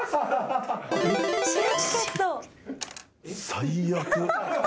最悪。